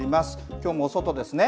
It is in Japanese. きょうもお外ですね。